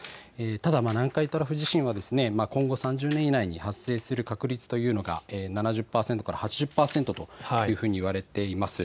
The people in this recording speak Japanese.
ただ南海トラフ地震も今後３０年以内に発生する確率というのが７０％から８０％というふうに言われています。